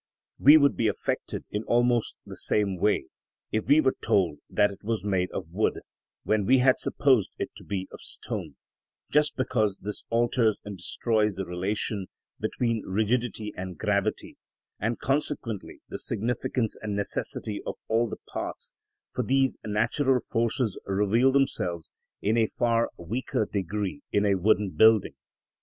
We would be affected in almost the same way if we were told that it was made of wood, when we had supposed it to be of stone, just because this alters and destroys the relation between rigidity and gravity, and consequently the significance and necessity of all the parts, for these natural forces reveal themselves in a far weaker degree in a wooden building.